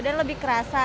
dan lebih kerasa